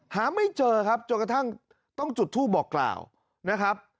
หาไม่เจอครับจนกระทั่งต้องจุดทูปบอกกล่าวนะครับ